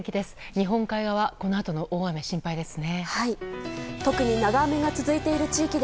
日本海側はこのあとの大雨が心配ですね。